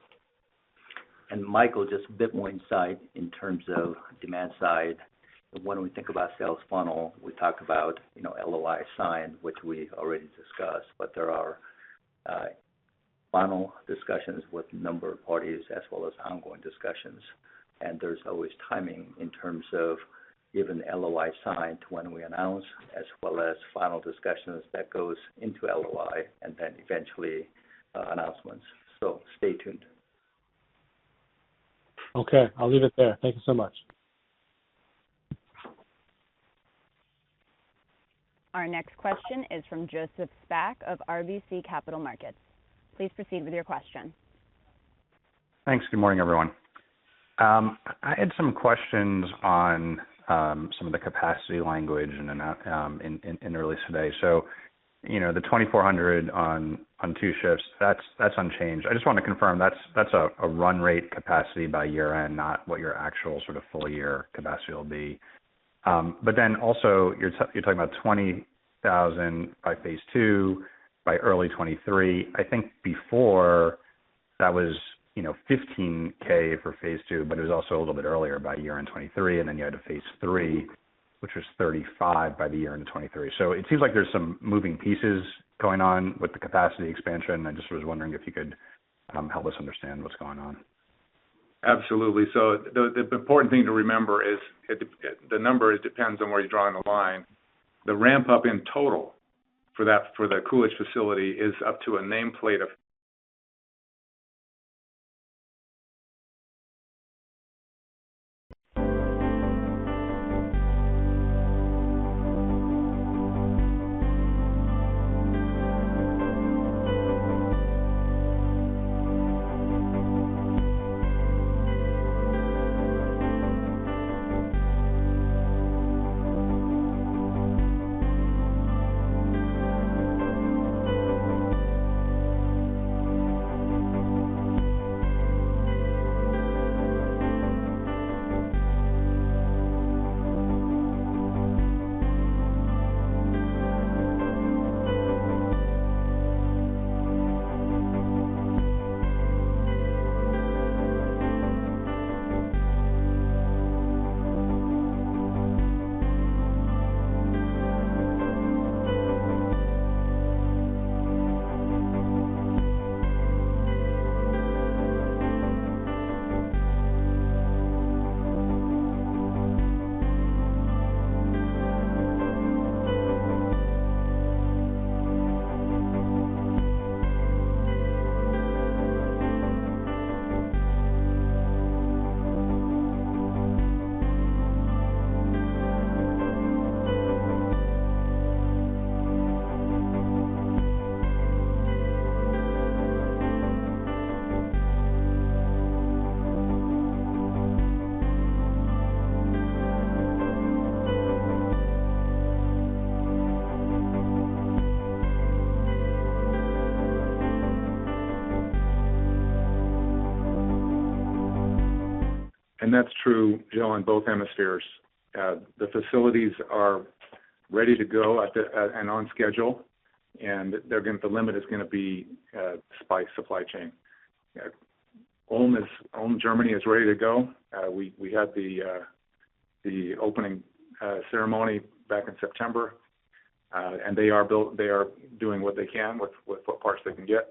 Michael, just a bit more insight in terms of demand side. When we think about sales funnel, we talk about, you know, LOI signed, which we already discussed, but there are final discussions with a number of parties as well as ongoing discussions. There's always timing in terms of given the LOI signed to when we announce, as well as final discussions that goes into LOI and then eventually announcements. Stay tuned. Okay. I'll leave it there. Thank you so much. Our next question is from Joseph Spak of RBC Capital Markets. Please proceed with your question. Thanks. Good morning, everyone. I had some questions on some of the capacity language in a release today. You know, the 2,400 on two shifts, that's unchanged. I just wanna confirm that's a run rate capacity by year-end, not what your actual sort of full year capacity will be. But then also you're talking about 20,000 by phase II by early 2023. I think before that was, you know, 15,000 for phase II, but it was also a little bit earlier by year-end 2023, and then you had a phase III, which was 35,000 by the year-end 2023. It seems like there's some moving pieces going on with the capacity expansion. I just was wondering if you could help us understand what's going on. Absolutely. The important thing to remember is the number depends on where you're drawing the line. The ramp-up in total for that, for the Coolidge facility is up to a nameplate of. That's true, Joe, in both hemispheres. The facilities are ready to go and on schedule, and the limit is going to be by supply chain. Ulm, Germany, is ready to go. We had the opening ceremony back in September. They are doing what they can with what parts they can get.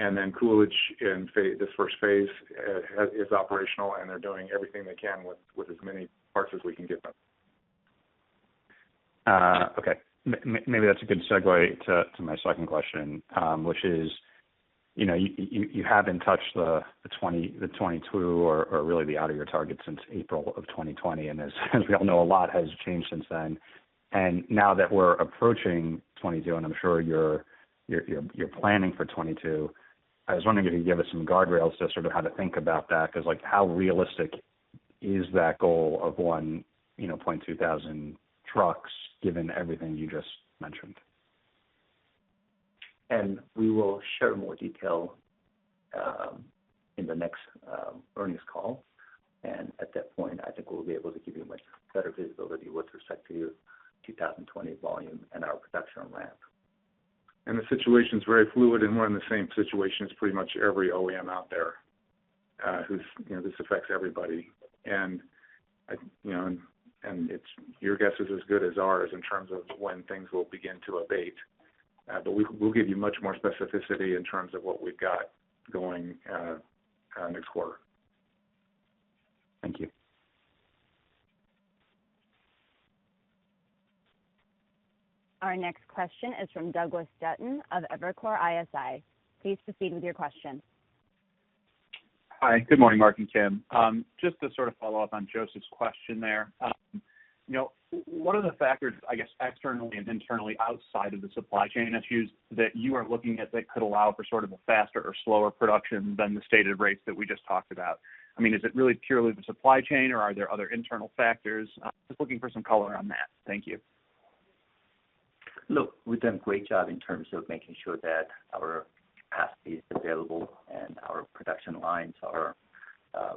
Then Coolidge in this first phase is operational, and they're doing everything they can with as many parts as we can give them. Maybe that's a good segue to my second question, which is, you know, you haven't touched the 2020, the 2022 or really the outlook for your target since April of 2020. As we all know, a lot has changed since then. Now that we're approaching 2022, and I'm sure you're planning for 2022, I was wondering if you could give us some guardrails as to how to think about that. Because like how realistic is that goal of 1,200 trucks given everything you just mentioned? We will share more detail in the next earnings call. At that point, I think we'll be able to give you much better visibility with respect to 2020 volume and our production ramp. The situation's very fluid, and we're in the same situation as pretty much every OEM out there, who, you know, this affects everybody. I, you know, and it's your guess is as good as ours in terms of when things will begin to abate, but we'll give you much more specificity in terms of what we've got going next quarter. Thank you. Our next question is from Douglas Dutton of Evercore ISI. Please proceed with your question. Hi, good morning, Mark and Kim. Just to sort of follow up on Joseph's question there. You know, what are the factors, I guess, externally and internally outside of the supply chain issues that you are looking at that could allow for sort of a faster or slower production than the stated rates that we just talked about? I mean, is it really purely the supply chain, or are there other internal factors? Just looking for some color on that. Thank you. Look, we've done a great job in terms of making sure that our capacity is available and our production lines are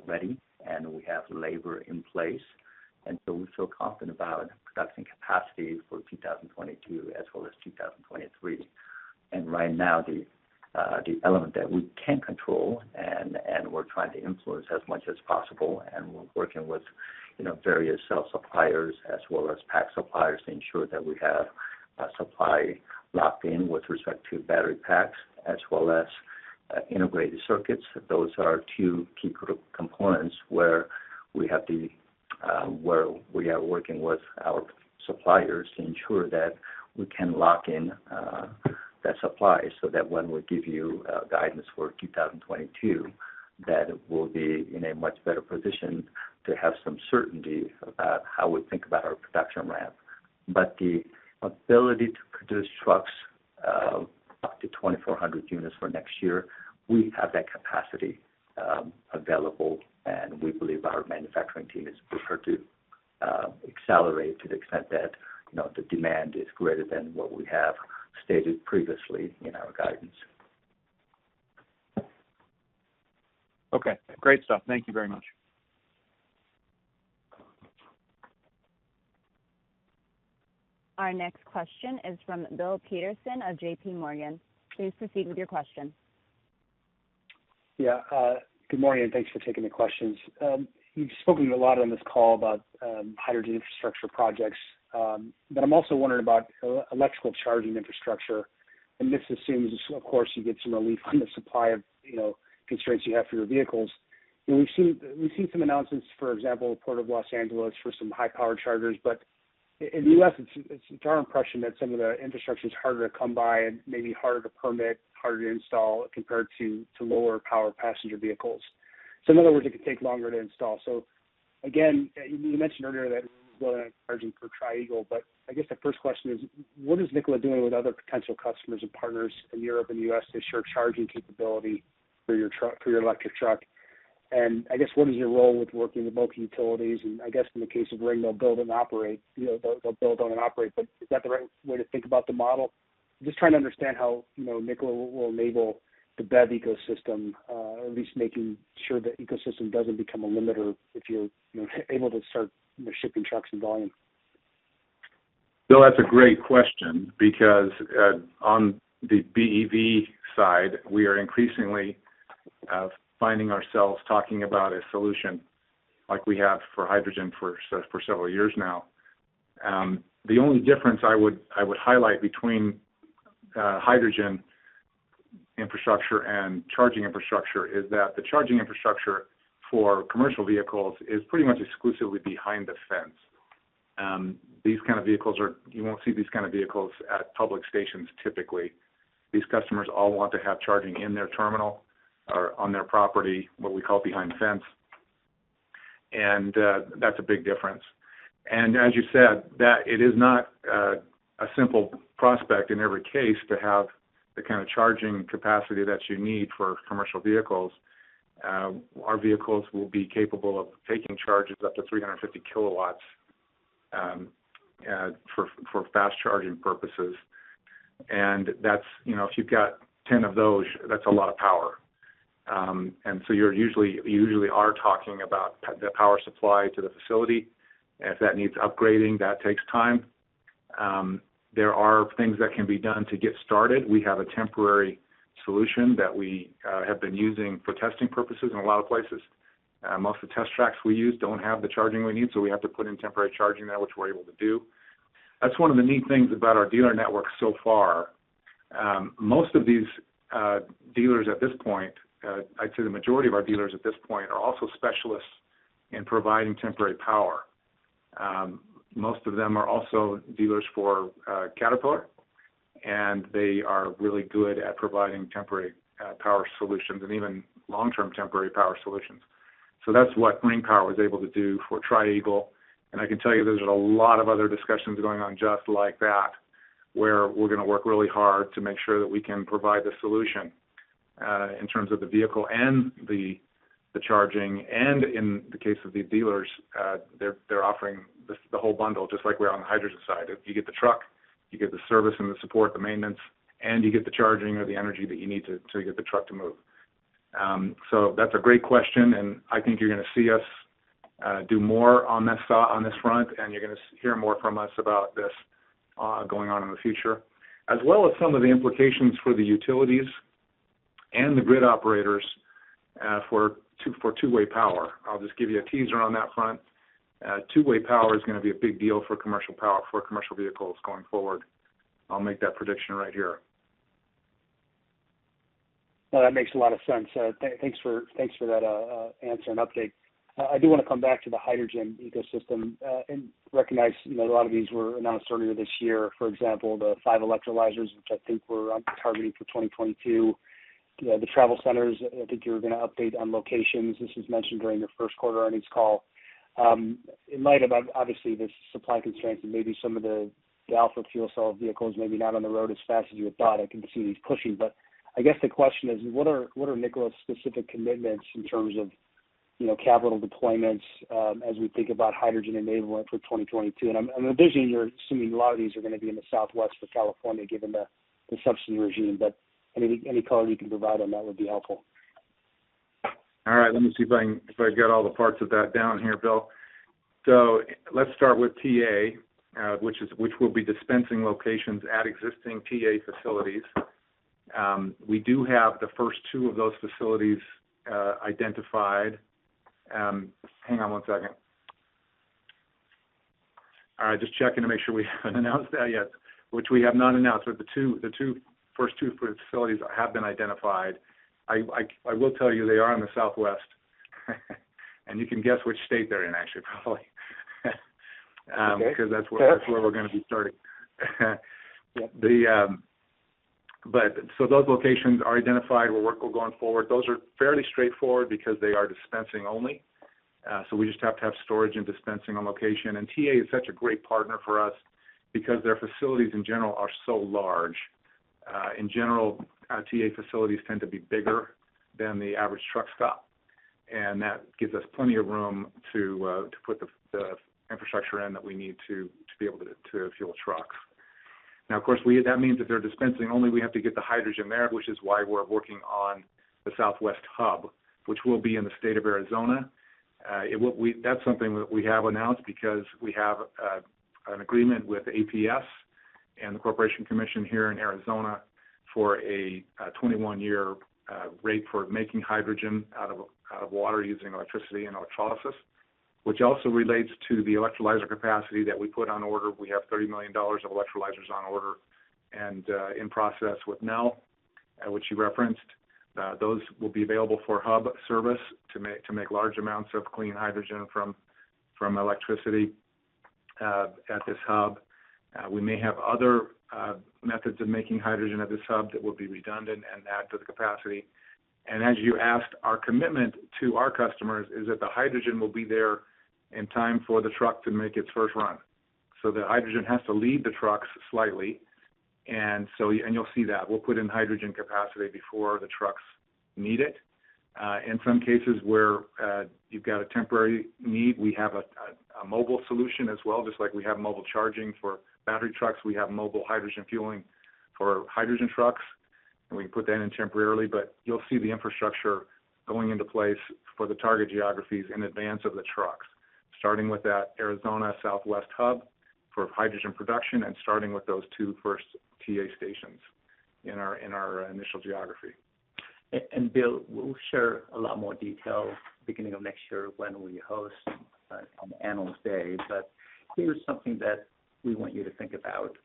ready, and we have labor in place. We feel confident about production capacity for 2022 as well as 2023. Right now, the element that we can control and we're trying to influence as much as possible, and we're working with, you know, various cell suppliers as well as pack suppliers to ensure that we have supply locked in with respect to battery packs as well as integrated circuits. Those are two key components where we have the Where we are working with our suppliers to ensure that we can lock in the supply, so that when we give you guidance for 2022, that we'll be in a much better position to have some certainty about how we think about our production ramp. The ability to produce trucks up to 2,400 units for next year, we have that capacity available, and we believe our manufacturing team is prepared to accelerate to the extent that, you know, the demand is greater than what we have stated previously in our guidance. Okay. Great stuff. Thank you very much. Our next question is from Bill Peterson of JPMorgan. Please proceed with your question. Yeah. Good morning, and thanks for taking the questions. You've spoken a lot on this call about hydrogen infrastructure projects, but I'm also wondering about electrical charging infrastructure. This assumes, of course, you get some relief on the supply of, you know, constraints you have for your vehicles. You know, we've seen some announcements, for example, Port of Los Angeles for some high-power chargers, but in the U.S. it's our impression that some of the infrastructure is harder to come by and maybe harder to permit, harder to install compared to lower power passenger vehicles. In other words, it could take longer to install. Again, you mentioned earlier that charging for Tri-Eagle, but I guess the first question is, what is Nikola doing with other potential customers and partners in Europe and the U.S. to ensure charging capability for your electric truck? I guess, what is your role with working with local utilities? I guess in the case of Ring Power, they'll build and operate. You know, they'll build, own, and operate, but is that the right way to think about the model? I'm just trying to understand how, you know, Nikola will enable the BEV ecosystem, at least making sure the ecosystem doesn't become a limiter if you're, you know, able to start shipping trucks in volume. Bill, that's a great question because on the BEV side, we are increasingly finding ourselves talking about a solution like we have for hydrogen for several years now. The only difference I would highlight between hydrogen infrastructure and charging infrastructure is that the charging infrastructure for commercial vehicles is pretty much exclusively behind the fence. These kind of vehicles are. You won't see these kind of vehicles at public stations typically. These customers all want to have charging in their terminal or on their property, what we call behind the fence. That's a big difference. As you said, that it is not a simple prospect in every case to have the kind of charging capacity that you need for commercial vehicles. Our vehicles will be capable of taking charges up to 350 kW for fast charging purposes. That's, you know, if you've got 10 of those, that's a lot of power. You're usually talking about the power supply to the facility. If that needs upgrading, that takes time. There are things that can be done to get started. We have a temporary solution that we have been using for testing purposes in a lot of places. Most of the test tracks we use don't have the charging we need, so we have to put in temporary charging there, which we're able to do. That's one of the neat things about our dealer network so far. Most of these dealers at this point, I'd say the majority of our dealers at this point are also specialists in providing temporary power. Most of them are also dealers for Caterpillar, and they are really good at providing temporary power solutions and even long-term temporary power solutions. That's what Ring Power was able to do for Tri-Eagle. I can tell you there's a lot of other discussions going on just like that, where we're gonna work really hard to make sure that we can provide the solution in terms of the vehicle and the charging. In the case of the dealers, they're offering the whole bundle, just like we are on the hydrogen side. You get the truck, you get the service and the support, the maintenance, and you get the charging or the energy that you need to get the truck to move. That's a great question, and I think you're gonna see us do more on this front, and you're gonna hear more from us about this going on in the future, as well as some of the implications for the utilities and the grid operators for two-way power. I'll just give you a teaser on that front. Two-way power is gonna be a big deal for commercial vehicles going forward. I'll make that prediction right here. Well, that makes a lot of sense. Thanks for that answer and update. I do wanna come back to the hydrogen ecosystem and recognize that a lot of these were announced earlier this year, for example, the 5 electrolyzers, which I think we're targeting for 2022. The travel centers, I think you're gonna update on locations. This was mentioned during the first quarter earnings call. In light of obviously, the supply constraints and maybe some of the Alpha fuel cell vehicles, maybe not on the road as fast as you had thought. I can see these pushing. I guess the question is what are Nikola's specific commitments in terms of, you know, capital deployments, as we think about hydrogen enablement for 2022? I'm envisioning you're assuming a lot of these are gonna be in the Southwest or California, given the subsidy regime. Any color you can provide on that would be helpful. All right. Let me see if I got all the parts of that down here, Bill. Let's start with TA, which will be dispensing locations at existing TA facilities. We do have the first two of those facilities identified. Hang on one second. All right, just checking to make sure we haven't announced that yet, which we have not announced. The first two facilities have been identified. I will tell you they are in the Southwest and you can guess which state they're in, actually, probably. Okay. Because that's where we're gonna be starting. Those locations are identified. We're going forward. Those are fairly straightforward because they are dispensing only, so we just have to have storage and dispensing on location. TA is such a great partner for us because their facilities in general are so large. In general, TA facilities tend to be bigger than the average truck stop, and that gives us plenty of room to put the infrastructure in that we need to be able to fuel trucks. Now, of course, that means that they're dispensing only. We have to get the hydrogen there, which is why we're working on the Southwest hub, which will be in the state of Arizona. That's something that we have announced because we have an agreement with APS and the Arizona Corporation Commission here in Arizona for a 21-year rate for making hydrogen out of water using electricity and electrolysis, which also relates to the electrolyzer capacity that we put on order. We have $30 million of electrolyzers on order and in process with Nel, which you referenced. Those will be available for hub service to make large amounts of clean hydrogen from electricity at this hub. We may have other methods of making hydrogen at this hub that will be redundant and add to the capacity. As you asked, our commitment to our customers is that the hydrogen will be there in time for the truck to make its first run. The hydrogen has to lead the trucks slightly. You'll see that. We'll put in hydrogen capacity before the trucks need it. In some cases where you've got a temporary need, we have a mobile solution as well. Just like we have mobile charging for battery trucks, we have mobile hydrogen fueling for hydrogen trucks, and we can put that in temporarily. You'll see the infrastructure going into place for the target geographies in advance of the trucks, starting with that Arizona Southwest hub for hydrogen production and starting with those two first TA stations in our initial geography. Bill, we'll share a lot more detail beginning of next year when we host on Analyst Day. Here's something that we want you to think about.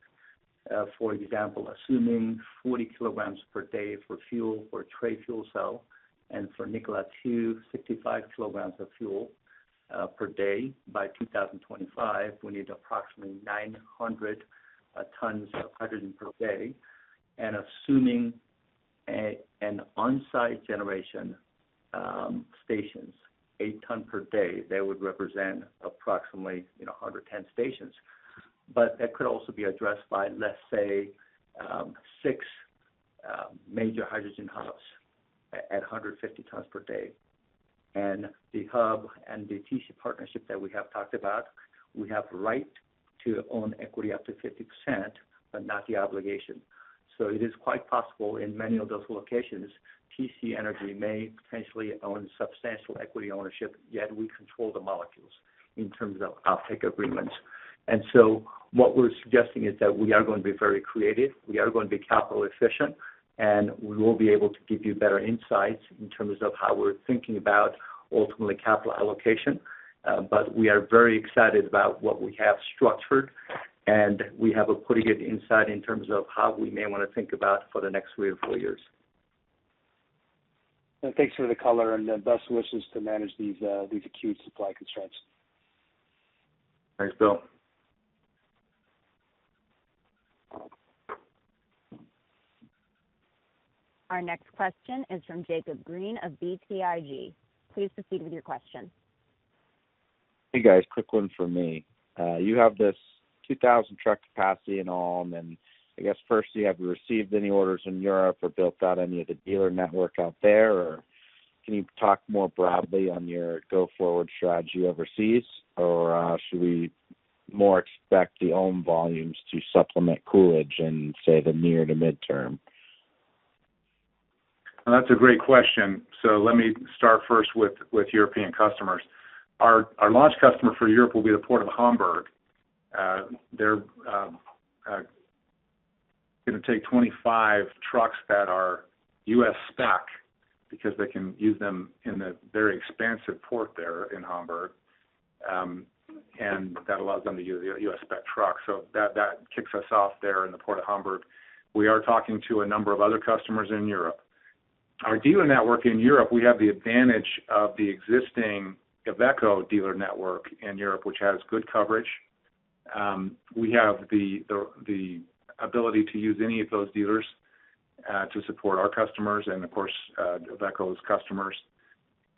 For example, assuming 40 kg/d for fuel for Tre fuel cell and for Nikola Two, 65 kg/d for fuel, by 2025, we need approximately 900 tons of hydrogen per day. Assuming an on-site generation stations, 8 tons per day, that would represent approximately 110 stations. That could also be addressed by, let's say, six major hydrogen hubs at 150 tons per day. The hub and the TC Energy partnership that we have talked about, we have right to own equity up to 50%, but not the obligation. It is quite possible in many of those locations, TC Energy may potentially own substantial equity ownership, yet we control the molecules in terms of offtake agreements. What we're suggesting is that we are going to be very creative, we are going to be capital efficient, and we will be able to give you better insights in terms of how we're thinking about ultimately capital allocation. We are very excited about what we have structured, and we have a pretty good insight in terms of how we may wanna think about for the next 3-4 years. Thanks for the color and best wishes to manage these acute supply constraints. Thanks, Bill. Our next question is from Jacob Green of BTIG. Please proceed with your question. Hey, guys. Quick one from me. You have this 2000 truck capacity in Ulm. I guess, firstly, have you received any orders in Europe or built out any of the dealer network out there? Or can you talk more broadly on your go-forward strategy overseas? Or should we more expect the Ulm volumes to supplement Coolidge in, say, the near to midterm? That's a great question. Let me start first with European customers. Our launch customer for Europe will be the port of Hamburg. They're gonna take 25 trucks that are U.S. spec because they can use them in the very expansive port there in Hamburg, and that allows them to use the U.S. spec trucks. That kicks us off there in the Port of Hamburg. We are talking to a number of other customers in Europe. Our dealer network in Europe, we have the advantage of the existing IVECO dealer network in Europe, which has good coverage. We have the ability to use any of those dealers to support our customers and of course, IVECO's customers.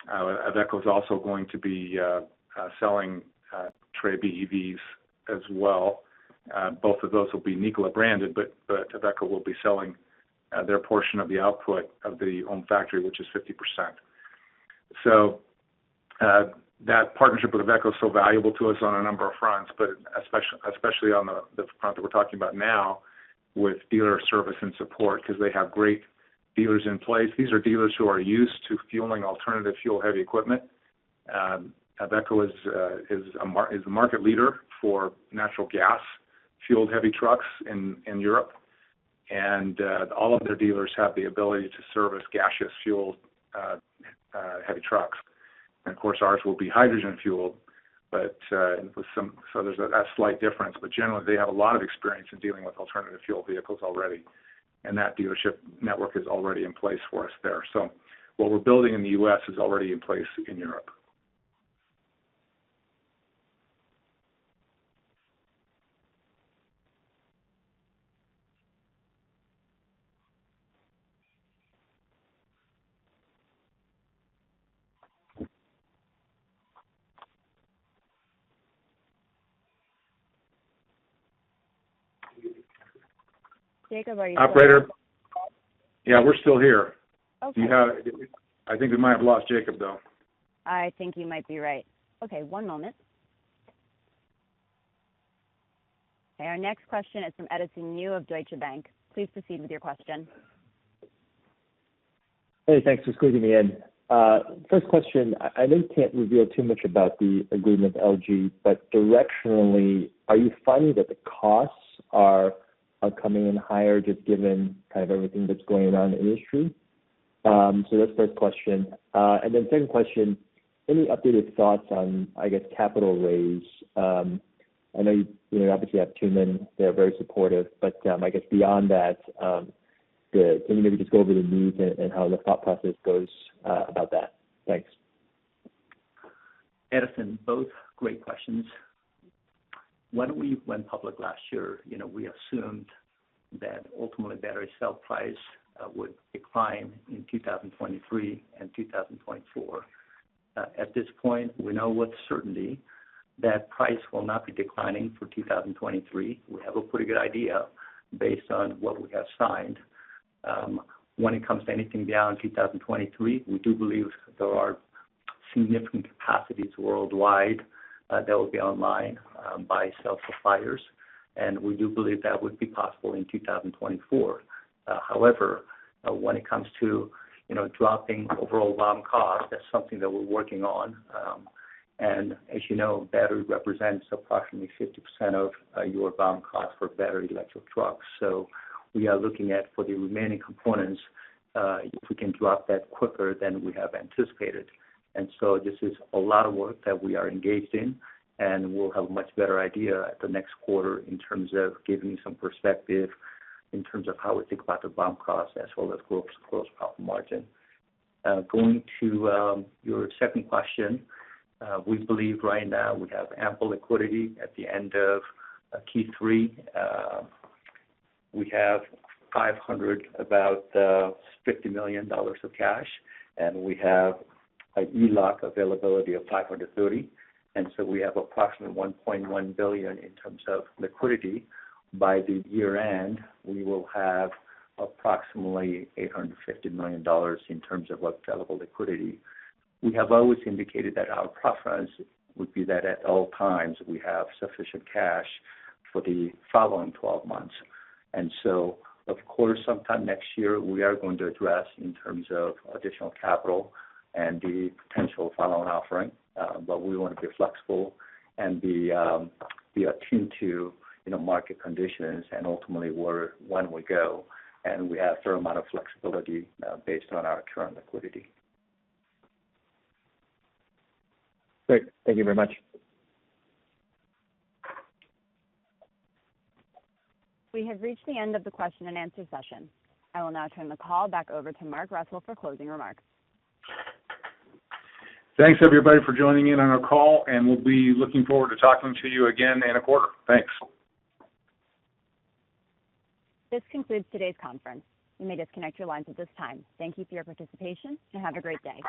IVECO is also going to be selling Tre BEVs as well. Both of those will be Nikola branded, but IVECO will be selling their portion of the output of the Ulm factory, which is 50%. That partnership with IVECO is so valuable to us on a number of fronts, but especially on the front that we're talking about now with dealer service and support because they have great dealers in place. These are dealers who are used to fueling alternative fuel-heavy equipment. IVECO is a market leader for natural gas fueled heavy trucks in Europe. All of their dealers have the ability to service gaseous fueled heavy trucks. Of course, ours will be hydrogen fueled, but there's a slight difference, but generally they have a lot of experience in dealing with alternative fuel vehicles already, and that dealership network is already in place for us there. What we're building in the U.S. is already in place in Europe. Jacob, are you still? Operator? Yeah, we're still here. Okay. I think we might have lost Jacob, though. I think you might be right. Okay, one moment. Okay, our next question is from Edison Yu of Deutsche Bank. Please proceed with your question. Hey, thanks for squeezing me in. First question, I know you can't reveal too much about the agreement with LG, but directionally, are you finding that the costs are coming in higher just given kind of everything that's going on in the industry? That's the first question. Second question, any updated thoughts on, I guess, capital raise? I know you know, obviously have two men that are very supportive, but I guess beyond that, can you maybe just go over the news and how the thought process goes about that? Thanks. Edison, both great questions. When we went public last year, you know, we assumed that ultimately battery cell price would decline in 2023 and 2024. At this point, we know with certainty that price will not be declining for 2023. We have a pretty good idea based on what we have signed. When it comes to anything beyond 2023, we do believe there are significant capacities worldwide that will be online by cell suppliers. We do believe that would be possible in 2024. However, when it comes to, you know, dropping overall BOM cost, that's something that we're working on. And as you know, battery represents approximately 50% of your BOM cost for battery electric trucks. We are looking at, for the remaining components, if we can drop that quicker than we have anticipated. This is a lot of work that we are engaged in, and we'll have a much better idea at the next quarter in terms of giving some perspective in terms of how we think about the BOM cost as well as gross profit margin. Going to your second question, we believe right now we have ample liquidity at the end of Q3. We have about $550 million of cash, and we have an ELOC availability of $530 million. We have approximately $1.1 billion in terms of liquidity. By year-end, we will have approximately $850 million in terms of available liquidity. We have always indicated that our preference would be that at all times we have sufficient cash for the following 12 months. Of course, sometime next year we are going to address in terms of additional capital and the potential follow-on offering, but we wanna be flexible and be attuned to, you know, market conditions and ultimately when we go, and we have a fair amount of flexibility based on our current liquidity. Great. Thank you very much. We have reached the end of the question-and-answer session. I will now turn the call back over to Mark Russell for closing remarks. Thanks, everybody, for joining in on our call, and we'll be looking forward to talking to you again in a quarter. Thanks. This concludes today's conference. You may disconnect your lines at this time. Thank you for your participation, and have a great day.